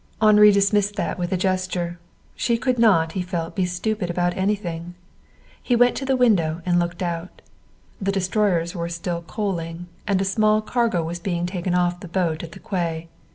Henri dismissed that with a gesture. She could not, he felt, be stupid about anything. He went to the window and looked out. The destroyers were still coaling, and a small cargo was being taken off the boat at the quay.